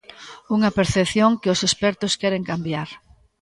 Unha percepción que os expertos queren cambiar.